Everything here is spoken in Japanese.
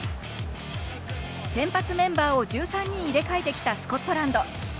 先発メンバーを１３人入れ替えてきたスコットランド。